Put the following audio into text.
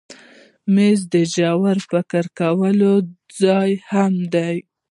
مېز د ژور فکر کولو ځای هم دی.